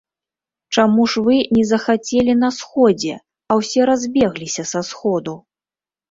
Чаму ж вы не захацелі на сходзе, а ўсе разбегліся са сходу?